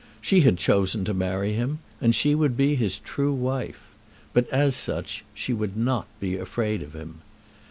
She had chosen to marry him, and she would be his true wife. But, as such, she would not be afraid of him.